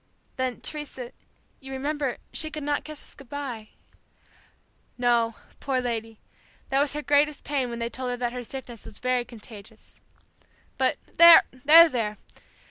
"Then, Teresa, you remember, she could not kiss us goodbye." "No, poor lady, that was her greatest pain when they told her that her sickness was very contagious. But there! there!